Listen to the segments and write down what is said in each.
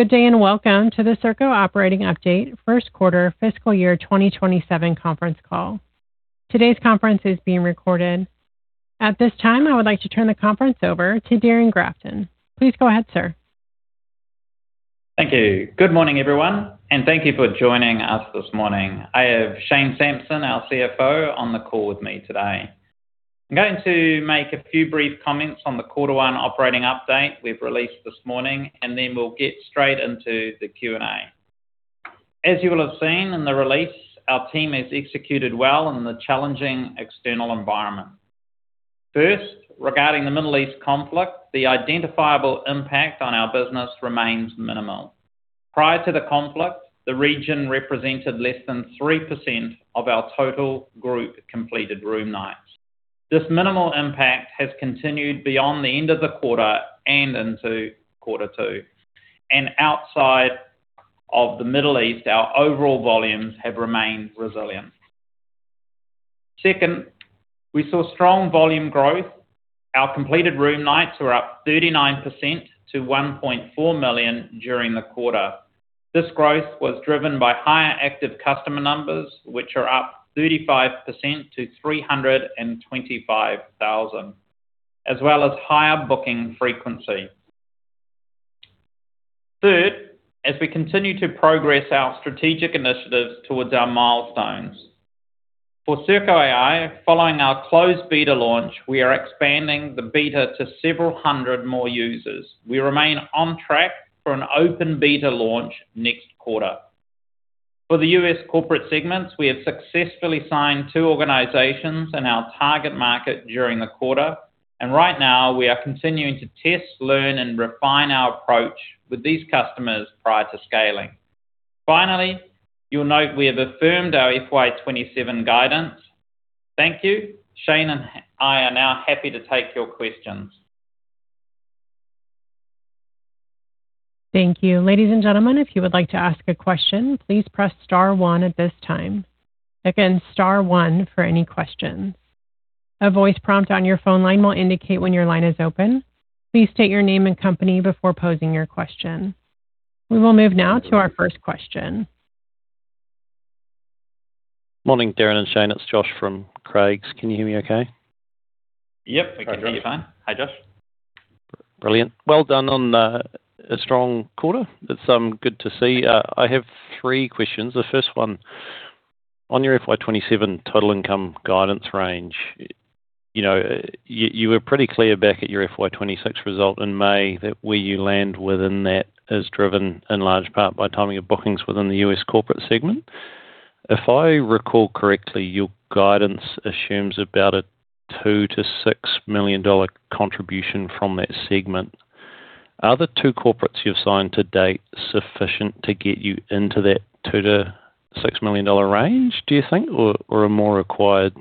Good day, and welcome to the Serko Operating Update First Quarter Fiscal Year 2027 Conference Call. Today's conference is being recorded. At this time, I would like to turn the conference over to Darrin Grafton. Please go ahead, sir. Thank you. Good morning, everyone, and thank you for joining us this morning. I have Shane Sampson, our CFO, on the call with me today. I'm going to make a few brief comments on the quarter one operating update we've released this morning. We'll get straight into the Q&A. As you will have seen in the release, our team has executed well in the challenging external environment. First, regarding the Middle East conflict, the identifiable impact on our business remains minimal. Prior to the conflict, the region represented less than 3% of our total group completed room nights. This minimal impact has continued beyond the end of the quarter and into quarter two. Outside of the Middle East, our overall volumes have remained resilient. Second, we saw strong volume growth. Our completed room nights were up 39% to 1.4 million during the quarter. This growth was driven by higher active customer numbers, which are up 35% to 325,000, as well as higher booking frequency. Third, as we continue to progress our strategic initiatives towards our milestones. For Serko.ai, following our closed beta launch, we are expanding the beta to several hundred more users. We remain on track for an open beta launch next quarter. For the U.S. corporate segments, we have successfully signed two organizations in our target market during the quarter. Right now we are continuing to test, learn, and refine our approach with these customers prior to scaling. Finally, you'll note we have affirmed our FY 2027 guidance. Thank you. Shane and I are now happy to take your questions. Thank you. Ladies and gentlemen, if you would like to ask a question, please press star one at this time. Again, star one for any questions. A voice prompt on your phone line will indicate when your line is open. Please state your name and company before posing your question. We will move now to our first question. Morning, Darrin and Shane. It's Josh from Craigs. Can you hear me okay? Yep, we can hear you fine. Okay. Hi, Josh. Brilliant. Well done on a strong quarter. That's good to see. I have three questions. The first one, on your FY 2027 total income guidance range, you were pretty clear back at your FY 2026 result in May that where you land within that is driven in large part by timing of bookings within the U.S. corporate segment. If I recall correctly, your guidance assumes about a 2 million-6 million dollar contribution from that segment. Are the two corporates you've signed to date sufficient to get you into that 2 million-6 million dollar range, do you think? Or are more required?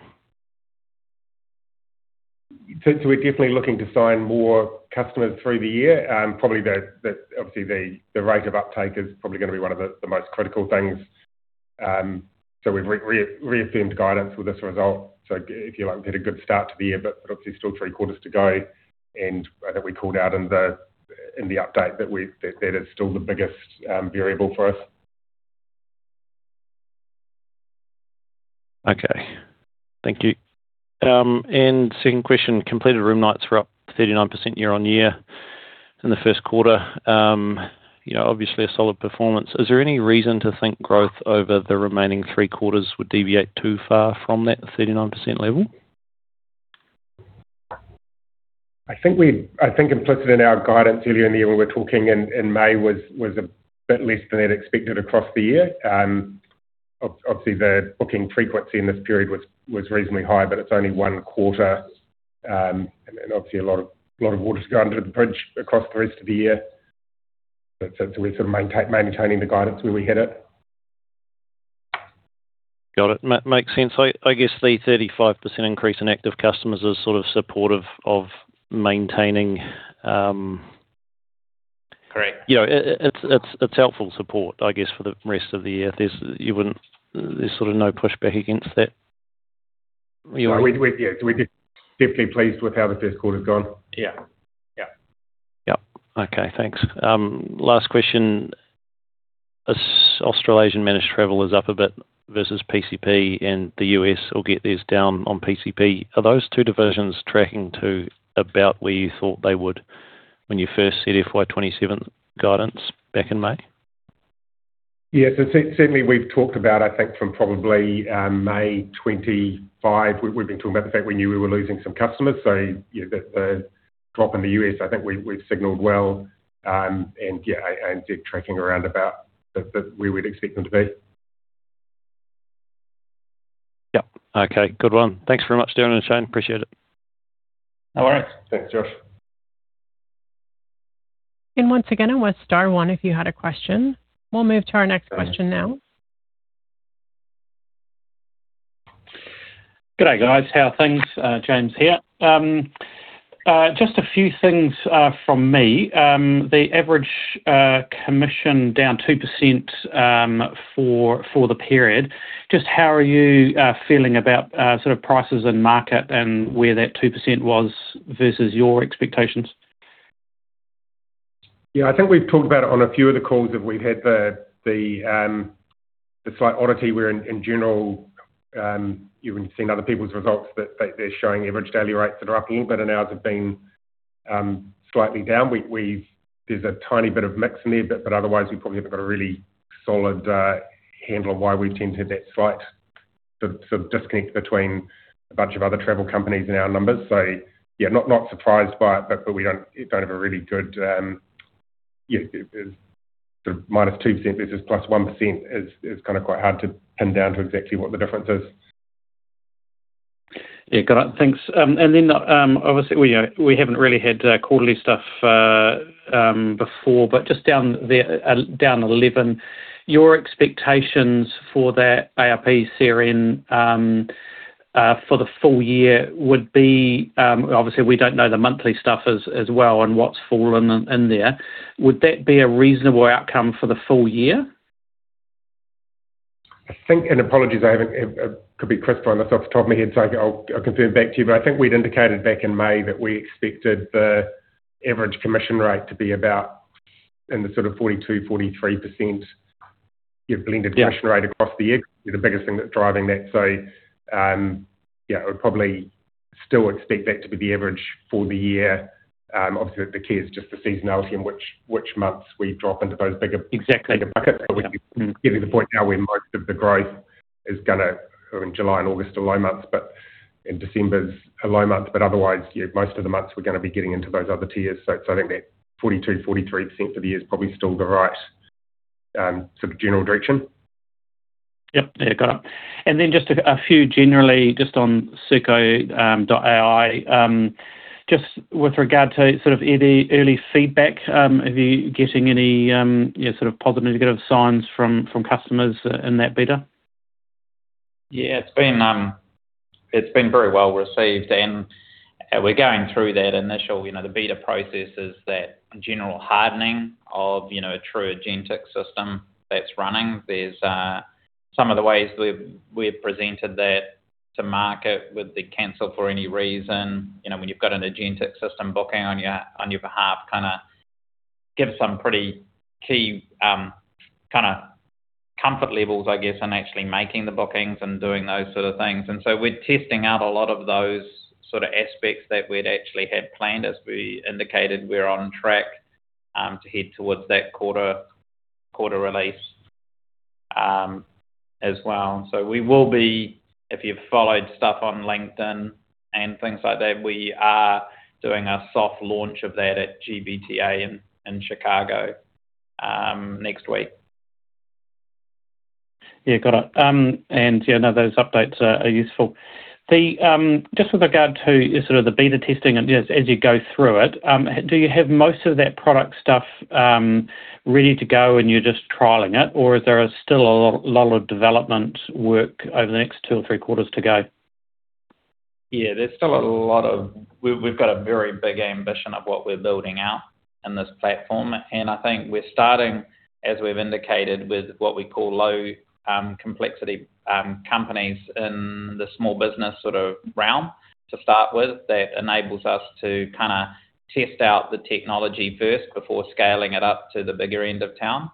We're definitely looking to sign more customers through the year. Obviously, the rate of uptake is probably going to be one of the most critical things. We've reaffirmed guidance with this result. If you like, we've had a good start to the year, but obviously still three quarters to go, and I think we called out in the update that is still the biggest variable for us. Okay. Thank you. Second question, completed room nights were up 39% year-over-year in the first quarter. Obviously a solid performance. Is there any reason to think growth over the remaining three quarters would deviate too far from that 39% level? I think implicit in our guidance earlier in the year when we were talking in May was a bit less than that expected across the year. Obviously, the booking frequency in this period was reasonably high, but it's only one quarter. Obviously a lot of water's gone under the bridge across the rest of the year. We're maintaining the guidance where we hit it. Got it. Makes sense. I guess the 35% increase in active customers is sort of supportive of maintaining- Correct. it's helpful support, I guess, for the rest of the year. There's sort of no pushback against that. Yeah. We're definitely pleased with how the first quarter's gone. Yeah. Yep. Okay, thanks. Last question. As Australasian managed travel is up a bit versus PCP in the U.S., or get these down on PCP, are those two divisions tracking to about where you thought they would when you first set FY 2027 guidance back in May? Yeah. Certainly we've talked about, I think from probably May 2025, we've been talking about the fact we knew we were losing some customers. The drop in the U.S., I think we've signaled well. Yeah, and they're tracking around about where we'd expect them to be. Yep. Okay. Good one. Thanks very much, Darrin and Shane. Appreciate it. No worries. Thanks, Josh. Once again, it was star one if you had a question. We'll move to our next question now. Good day, guys. How are things? James here. Just a few things from me. The average commission down 2% for the period. Just how are you feeling about prices and market and where that 2% was versus your expectations? I think we've talked about it on a few of the calls that we've had the slight oddity where in general you've seen other people's results that they're showing average daily rates that are up a little bit and ours have been slightly down. There's a tiny bit of mix in there, but otherwise we probably haven't got a really solid handle on why we tend to have that slight sort of disconnect between a bunch of other travel companies and our numbers. Yeah, not surprised by it, but we don't have a really good. -2% versus +1% is kind of quite hard to pin down to exactly what the difference is. Got it. Thanks. Obviously we haven't really had quarterly stuff before, but just down 11%. Your expectations for that ARPCRN for the full year would be. Obviously we don't know the monthly stuff as well and what's fallen in there. Would that be a reasonable outcome for the full year? I think, apologies I could be crystal on this off the top of my head, I'll confirm back to you. I think we'd indicated back in May that we expected the average commission rate to be about in the sort of 42%, 43% blended commission rate across the year be the biggest thing that's driving that. Yeah, I would probably still expect that to be the average for the year. Obviously at the key is just the seasonality in which months we drop into those bigger. Exactly. We're getting to the point now where most of the growth is going to July and August are low months, in December's a low month. Otherwise, yeah, most of the months we're going to be getting into those other tiers. I think that 42%, 43% for the year is probably still the right sort of general direction. Yep. There. Got it. Then just a few generally just on Serko.ai. Just with regard to sort of early feedback, are you getting any sort of positive, negative signs from customers in that beta? Yeah. It's been very well received and we're going through that initial beta processes, that general hardening of a true agentic system that's running. Some of the ways we've presented that to market with the cancel for any reason when you've got an agentic system booking on your behalf kind of gives some pretty key kind of comfort levels, I guess, in actually making the bookings and doing those sort of things. We're testing out a lot of those sort of aspects that we'd actually had planned. As we indicated, we're on track to head towards that quarter release as well. We will be, if you've followed stuff on LinkedIn and things like that, we are doing a soft launch of that at GBTA in Chicago next week. Yeah, got it. Yeah, no, those updates are useful. Just with regard to sort of the beta testing and as you go through it, do you have most of that product stuff ready to go and you're just trialing it or is there still a lot of development work over the next two or three quarters to go? There's still a lot of. We've got a very big ambition of what we're building out in this platform. I think we're starting, as we've indicated, with what we call low complexity companies in the small business sort of realm to start with. That enables us to kind of test out the technology first before scaling it up to the bigger end of town.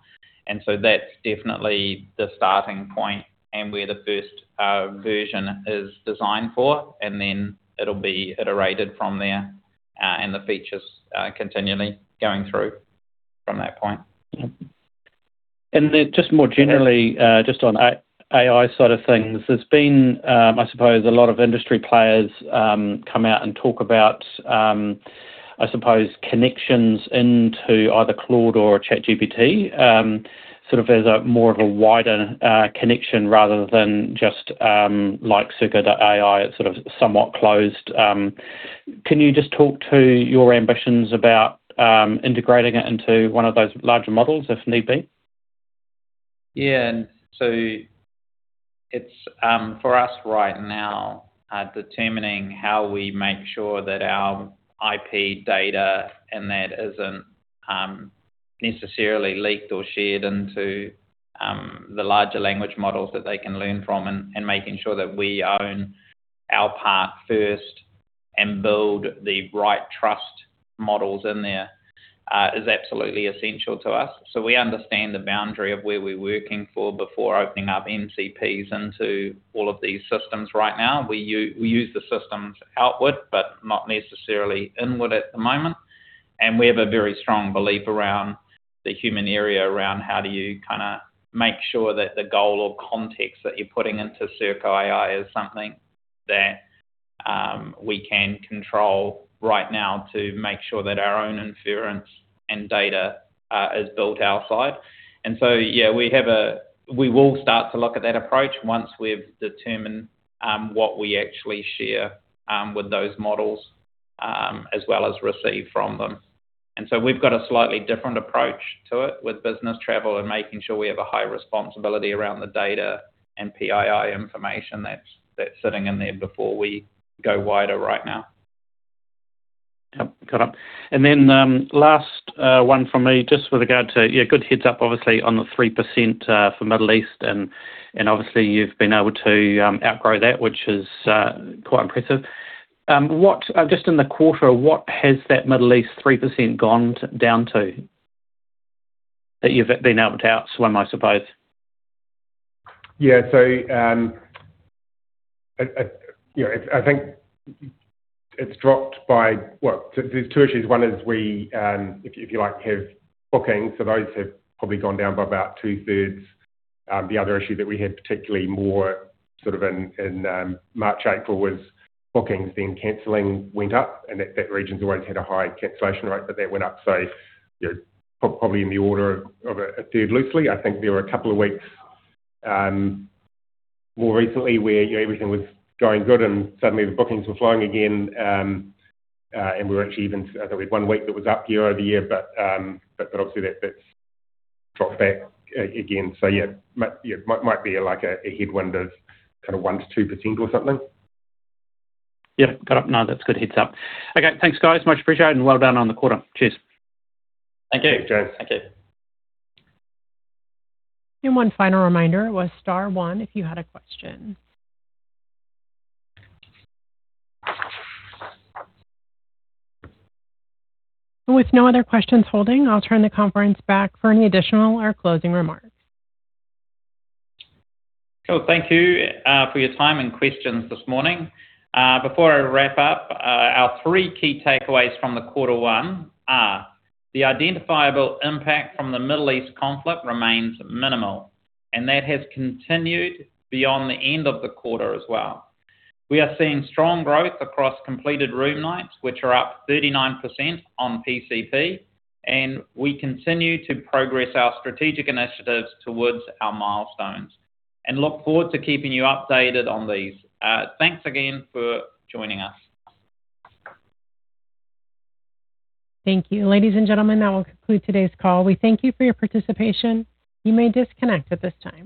That's definitely the starting point and where the first version is designed for. Then it'll be iterated from there, and the features continually going through from that point. Just more generally, just on AI side of things, there's been I suppose a lot of industry players come out and talk about I suppose connections into either Claude or ChatGPT, sort of as a more of a wider connection rather than just like Serko.ai. It's sort of somewhat closed. Can you just talk to your ambitions about integrating it into one of those larger models if need be? For us right now determining how we make sure that our IP data in that isn't necessarily leaked or shared into the larger language models that they can learn from and making sure that we own our part first and build the right trust models in there is absolutely essential to us. We understand the boundary of where we're working for before opening up MCPs into all of these systems right now. We use the systems outward but not necessarily inward at the moment. We have a very strong belief around the human area around how do you kind of make sure that the goal or context that you're putting into Serko.ai is something that we can control right now to make sure that our own inference and data is built our side. We will start to look at that approach once we've determined what we actually share with those models as well as receive from them. We've got a slightly different approach to it with business travel and making sure we have a high responsibility around the data and PII information that's sitting in there before we go wider right now. Yep. Got it. Last one from me just with regard to good heads up obviously on the 3% for Middle East and obviously you've been able to outgrow that, which is quite impressive. Just in the quarter, what has that Middle East 3% gone down to that you've been able to outswim, I suppose? Yeah. I think it's dropped by. There's two issues. One is we have bookings. Those have probably gone down by about two-thirds. The other issue that we had, particularly more in March, April, was bookings, then canceling went up, and that region's always had a high cancellation rate, but that went up. Probably in the order of a third, loosely. I think there were a couple of weeks, more recently, where everything was going good and suddenly the bookings were flowing again. We were actually even, I think we had one week that was up year-over-year. Obviously that's dropped back again. Might be like a headwind of 1%-2% or something. Yeah. Got it. That's a good heads up. Okay, thanks, guys. Much appreciated and well done on the quarter. Cheers. Thank you. Cheers. Thank you. One final reminder, it was star one if you had a question. With no other questions holding, I'll turn the conference back for any additional or closing remarks. Cool. Thank you for your time and questions this morning. Before I wrap up, our three key takeaways from the quarter one are: The identifiable impact from the Middle East conflict remains minimal, and that has continued beyond the end of the quarter as well. We are seeing strong growth across completed room nights, which are up 39% on PCP, and we continue to progress our strategic initiatives towards our milestones and look forward to keeping you updated on these. Thanks again for joining us. Thank you. Ladies and gentlemen, that will conclude today's call. We thank you for your participation. You may disconnect at this time.